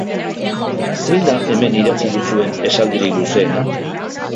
Zein da hemen idatzi duzuen esaldirik luzeena?